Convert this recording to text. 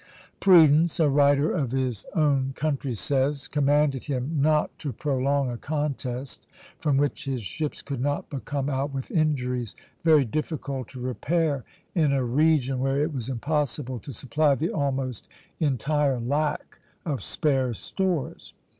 "Prudence," a writer of his own country says, "commanded him not to prolong a contest from which his ships could not but come out with injuries very difficult to repair in a region where it was impossible to supply the almost entire lack of spare stores."